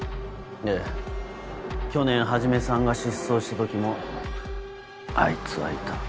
ええ去年始さんが失踪した時もあいつはいた。